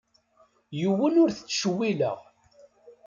Yiwen ur t-ttcewwileɣ.